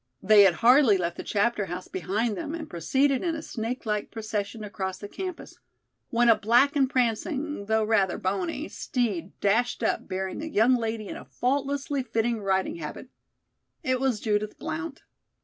They had hardly left the Chapter House behind them and proceeded in a snake like procession across the campus, when a black and prancing, though rather bony, steed dashed up bearing a young lady in a faultlessly fitting riding habit. It was Judith Blount.